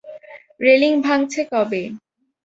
Railing ভাঙছে কবে?